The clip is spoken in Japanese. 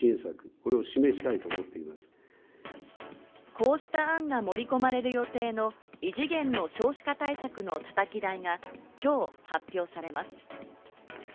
こうした案が盛り込まれる予定の異次元の少子化対策のたたき台が今日発表されます。